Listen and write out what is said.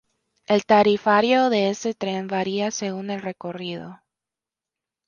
El tarifario de este tren varía según el recorrido.